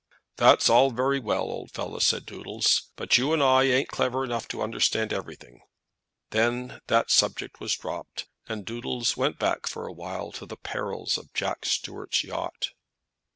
"That's all very well, old fellow," said Doodles, "but you and I ain't clever enough to understand everything." Then that subject was dropped, and Doodles went back for a while to the perils of Jack Stuart's yacht.